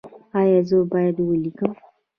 ایا زه باید ولیکم؟